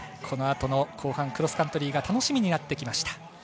このあと後半クロスカントリーが楽しみになってきました。